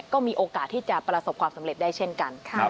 ก็มีโอกาสที่จะประสบความสำเร็จได้เช่นกัน